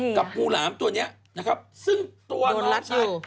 กับงูหลามตัวเนี่ยนะครับซึ่งตัวน้องชาย